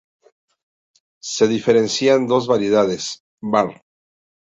Se diferencian dos variedades: var.